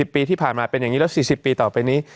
ปีที่ผ่านมาเป็นอย่างนี้แล้ว๔๐ปีต่อไปนี้